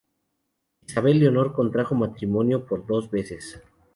Isabel Leonor contrajo matrimonio por dos veces.